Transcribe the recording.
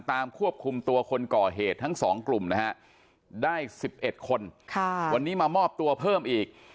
ควบคุมตัวคนก่อเหตุทั้ง๒กลุ่มนะฮะได้๑๑คนวันนี้มามอบตัวเพิ่มอีก